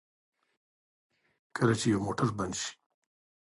کله چې یو موټر بند شي.